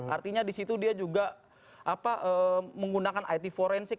artinya di situ dia juga menggunakan it forensik